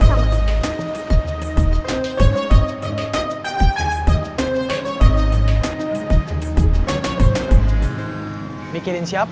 jadi penari latar